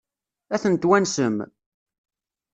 Ad ten-twansem?